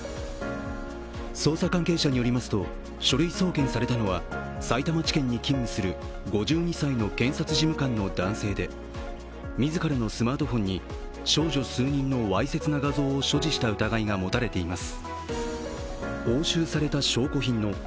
捜査関係者によりますと書類送検されたのはさいたま地検に勤務する５２歳の検察事務官の男性で自らのスマートフォンに少女数人のわいせつな画像を所持した疑いが持たれています。